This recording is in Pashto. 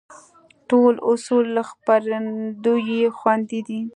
ټول اصول له خپرندوى خوندي دي.